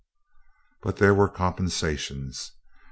But there were compensations.